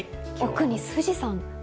奥に富士山。